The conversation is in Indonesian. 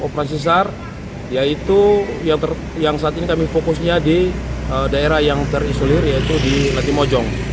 operasi sar yaitu yang saat ini kami fokusnya di daerah yang terisolir yaitu di latimojong